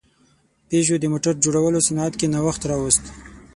پيژو د موټر جوړولو صنعت کې نوښت راوست.